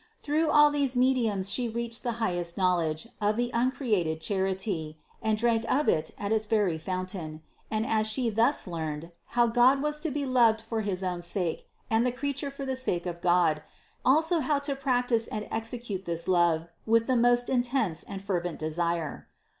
Through all these mediums She reached the highest knowledge of the uncreated Charity and drank of it at its very fountain, and as She thus learned, how God was to be loved for his own sake and the crea ture for the sake of God, also how to practice and exe cute this love with the most intense and fervent desire.